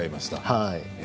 はい。